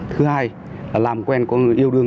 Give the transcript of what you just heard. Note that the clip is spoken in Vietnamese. thứ hai là làm quen có người yêu đương